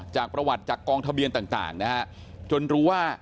จากประวัติจากกองทะเบียนต่างนะฮะจนรู้ว่า